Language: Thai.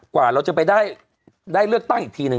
กว่าเราจะไปได้เลือกตั้งอีกทีหนึ่ง